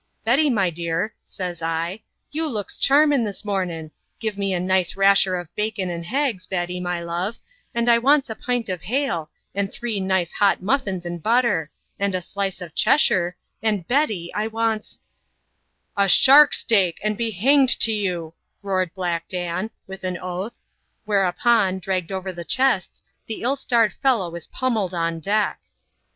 Betty, my dear, says I, you looks charmin' this momin' ; give me a nice rasher of bacon and h'eggs, Betty, my love ; and I wants a pint of h'ale, and three nice h*ot muffins and butter — and a slice of Cheshire ; and Betty, I wants —" "A shark steak, and be hanged to you I" roared Black Dan, with an oath. Whereupon, dragged over the chests, the ill starred fellow is pummelled on deck.